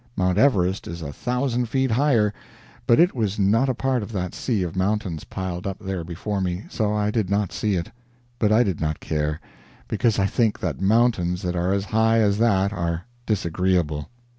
Mount Everest is a thousand feet higher, but it was not a part of that sea of mountains piled up there before me, so I did not see it; but I did not care, because I think that mountains that are as high as that are disagreeable.